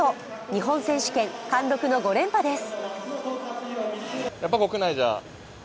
日本選手権貫禄の５連覇です。